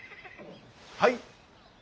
はい？